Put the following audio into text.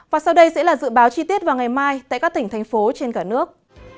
và sau đây sẽ là dự báo chi tiết vào ngày mai tại các tỉnh thành phố trên cả nước